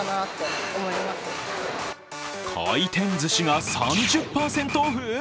回転ずしが３０％オフ？